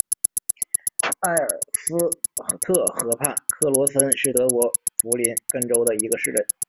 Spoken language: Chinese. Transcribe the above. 埃尔斯特河畔克罗森是德国图林根州的一个市镇。